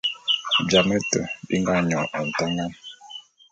Jame te bi nga nyon ntangan.